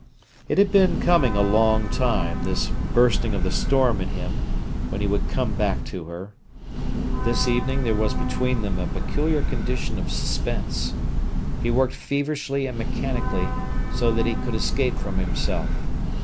It had been coming a long time, this bursting of the storm in him, when he would come back to her. This evening there was between them a peculiar condition of suspense. He worked feverishly and mechanically, so that he could escape from himself.